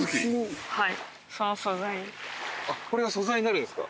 これが素材になるんですか。